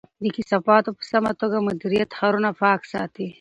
د کثافاتو په سمه توګه مدیریت ښارونه پاک ساتي.